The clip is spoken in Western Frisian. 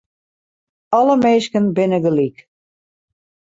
Alle minsken binne gelyk.